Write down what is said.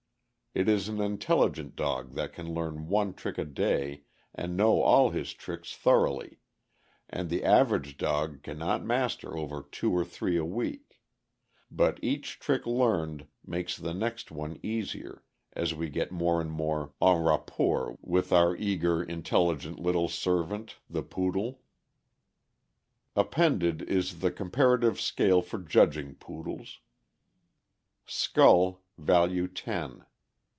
It is an intelligent dog that can learn one trick a day and know all his tricks thoroughly, and the average dog can not master over two or three a week; but each trick learned makes the next one easier, as we get more and more en rapport with our eager, intelligent little serv ant, the Poodle. Appended is the comparative scale for judging Poodles: Value.